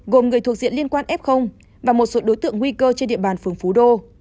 gồm người thuộc diện liên quan f và một số đối tượng nguy cơ trên địa bàn phường phú đô